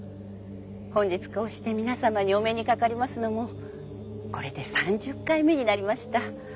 本日こうして皆さまにお目にかかりますのもこれで３０回目になりました。